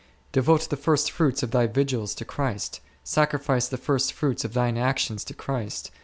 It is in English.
Devote the first fruits of thy vigils to Christ; sacrifice the first fruits of thine actions to Christ.